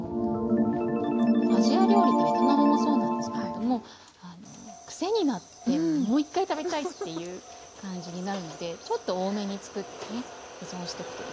アジア料理ってベトナムもそうなんですけれども癖になってもう一回食べたいっていう感じになるのでちょっと多めに作ってね保存しとくといいですよね。